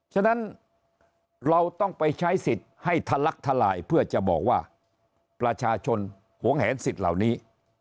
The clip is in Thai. ฉะนั้นเราต้องไปใช้สิทธิ์ให้ทะลักทลายเพื่อจะบอกว่าประชาชนหวงแหนสิทธิ์เหล่านี้